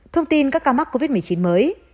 thông tin các ca mắc covid một mươi chín mới